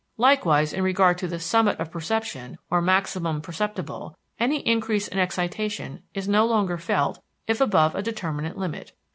Likewise in regard to the "summit of perception" or maximum perceptible, any increase of excitation is no longer felt if above a determinate limit.